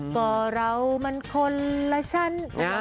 ก็เรามันคนละชั้น